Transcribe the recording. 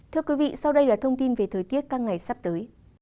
thưa quý vị sau đây là thông tin về thời tiết các ngày sắp tới